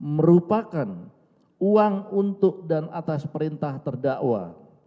merupakan uang untuk dan atas perintah terdakwa